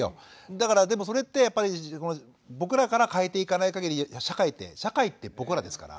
だからでもそれって僕らから変えていかないかぎり社会って社会って僕らですから。